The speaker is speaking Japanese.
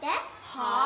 はあ？